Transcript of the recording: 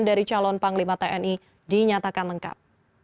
dari calon panglima tni dinyatakan lengkap